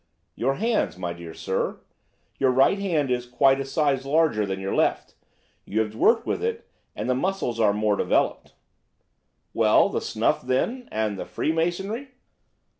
"Your hands, my dear sir. Your right hand is quite a size larger than your left. You have worked with it, and the muscles are more developed." "Well, the snuff, then, and the Freemasonry?"